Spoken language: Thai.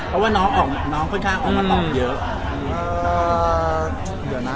เอาไว้รู้รู้